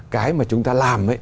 cái mà chúng ta làm